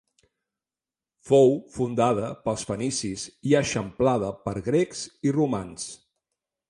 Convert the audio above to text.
Fou fundada pels fenicis i eixamplada per grecs i romans.